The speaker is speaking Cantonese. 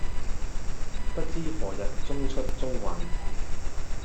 不知何日出中環